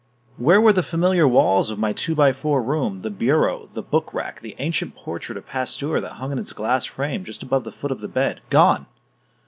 Where were the familiar walls of my two by four room, the bureau, the book rack, the ancient portrait of Pasteur that hung in its glass frame just above the foot of the bed? Gone!